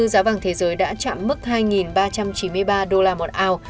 giá vàng thế giới đã chạm mức hai ba trăm chín mươi ba đô la một ảo